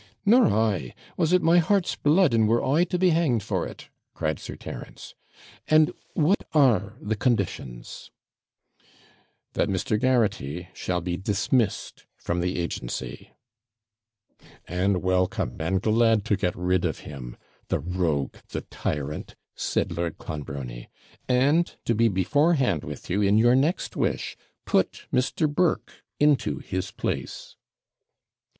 'Nor I was it my heart's blood, and were I to be hanged for it,' cried Sir Terence. 'And what are the conditions?' 'That Mr. Garraghty shall be dismissed from the agency.' 'And welcome, and glad to get rid of him the rogue, the tyrant,' said Lord Clonbrony; 'and, to be beforehand with you in your next wish, put Mr. Burke into his place.'